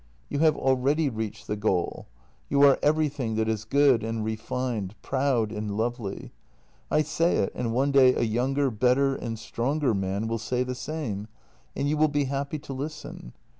" You have already reached the goal. You are everything that is good and refined, proud and lovely. I say it, and one day a younger, better, and stronger man will say the same — and you will be happy to listen.